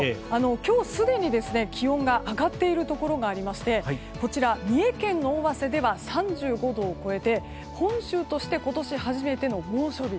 今日すでに気温が上がっているところがありまして三重県の尾鷲では３５度を超えて本州として今年初めての猛暑日。